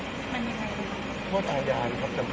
ถ้าไม่ได้ขออนุญาตมันคือจะมีโทษ